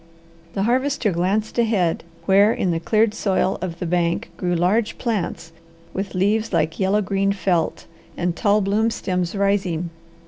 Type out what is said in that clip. The Harvester glanced ahead, where in the cleared soil of the bank grew large plants with leaves like yellow green felt and tall bloom stems rising.